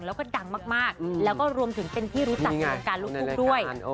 บังก็ดังมากรวมถึงเป็นที่รู้จักการรูปครูปด้วย